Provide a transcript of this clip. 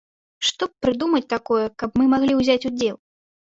Што б прыдумаць такое, каб мы маглі ўзяць удзел?